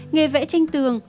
nghề vẽ tranh tường